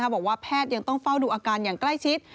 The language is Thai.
บอกว่าแพทย์ยังต้องเฝ้าดูอาการอย่างใกล้ชิด